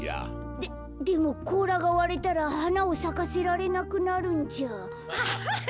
ででもこうらがわれたらはなをさかせられなくなるんじゃ。